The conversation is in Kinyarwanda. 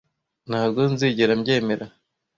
Ntabwo nzigera mbyemera.